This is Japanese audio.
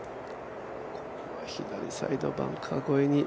左サイドバンカー越えに。